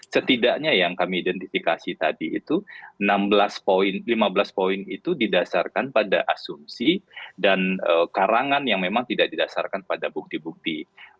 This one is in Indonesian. setidaknya yang kami identifikasi tadi itu lima belas poin itu didasarkan pada asumsi dan karangan yang memang tidak didasarkan pada bukti bukti